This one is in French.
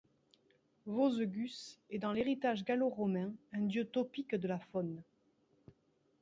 Vosegus est dans l'héritage gallo-romain un dieu topique de la faune.